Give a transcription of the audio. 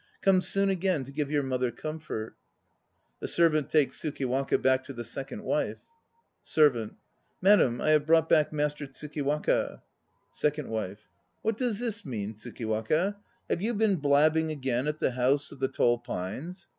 Come soon again to give your mother comfort! (The SERVANT takes TSUKIWAKA back to the SECOND WIFE.) SERVANT. Madam, I have brought back Master Tsukiwaka. SECOND WIFE. What does this mean, Tsukiwaka? Have you been blabbing again at the House of the Tall Pines?